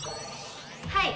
はい！